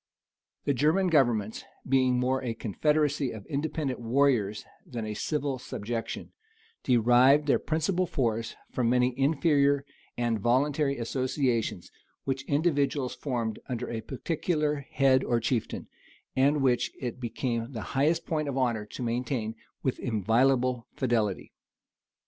The German governments, being more a confederacy of independent warriors than a civil subjection, derived their principal force from many inferior and voluntary associations which individuals formed under a particular head or chieftain, and which it became the highest point of honor to maintain with inviolable fidelity.